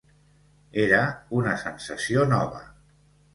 Era una sensació nova.